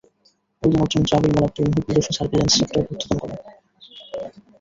ওই দিন অর্থমন্ত্রী আবুল মাল আবদুল মুহিত নিজস্ব সার্ভিল্যান্স সফটওয়্যার উদ্বোধন করেন।